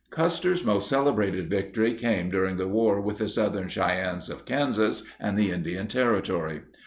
Custer's most celebrated victory came during the 20 war with the Southern Cheyennes of Kansas and the Indian Territory.